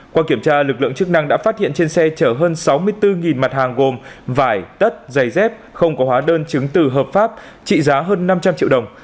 qua kiểm tra lực lượng chức năng đã phát hiện trên xe chở hơn sáu mươi bốn mặt hàng gồm vải tất giày dép không có hóa đơn chứng từ hợp pháp trị giá hơn năm trăm linh triệu đồng